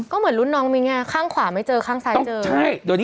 ก็เหมือนรุ่นน้องมิ้งไงข้างขวาไม่เจอข้างซ้ายเจอใช่